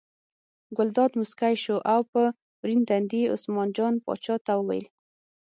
ګلداد موسکی شو او په ورین تندي یې عثمان جان پاچا ته وویل.